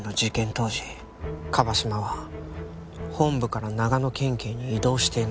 当時椛島は本部から長野県警に異動していました。